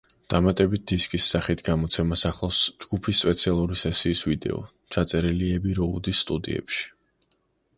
დამატებითი დისკის სახით გამოცემას ახლავს ჯგუფის სპეციალური სესიის ვიდეო, ჩაწერილი ები-როუდის სტუდიებში.